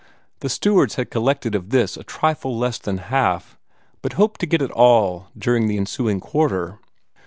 The stewards had collected of this a trifle less than half, but hoped to get it all in during the ensuing quarter.